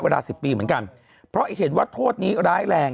สิบปีเหมือนกันเพราะเห็นว่าโทษนี้ร้ายแรง